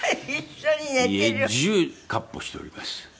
家中闊歩しております。